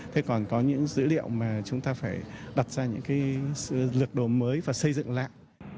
thế còn có những dữ liệu mà chúng ta phải đặt ra những cái lực đồ mới và xây dựng lại